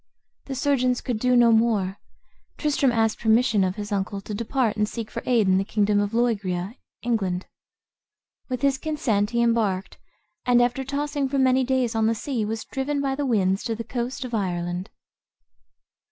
The surgeons could do no more. Tristram asked permission of his uncle to depart, and seek for aid in the kingdom of Loegria (England). With his consent he embarked, and after tossing for many days on the sea, was driven by the winds to the coast of Ireland.